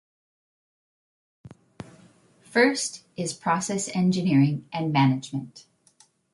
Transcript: First is process engineering and management.